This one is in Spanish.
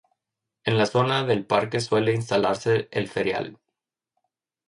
En la zona del Parque suele instalarse el ferial.